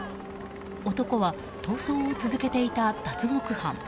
男は、逃走を続けていた脱獄犯。